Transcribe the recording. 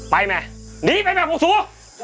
ไปแม่หนีไปแม่พวกศู